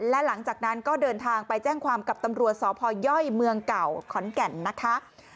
และหลังจากนั้นก็เดินทางไปแจ้งความกับตำรวจสพย่อยเมืองเก่าขอนแก่นนะคะ